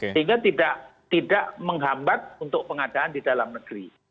sehingga tidak menghambat untuk pengadaan di dalam negeri